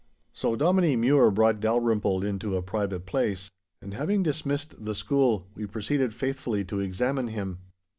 So Dominie Mure brought Dalrymple in to a private place, and having dismissed the school, we proceeded faithfully to examine him.